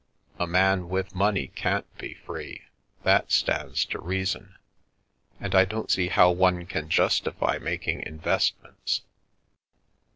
A man with money can't be free, that stands to reason. And I don't see how one can justify making investments."